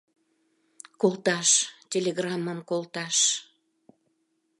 — Колташ... телеграммым колташ!